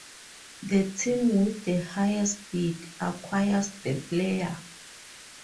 The team with the highest bid acquires the player.